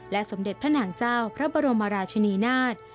สมเด็จพระนางเจ้าพระบรมราชินีนาฏ